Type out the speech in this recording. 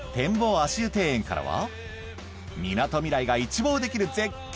足湯庭園からはみなとみらいが一望できる絶景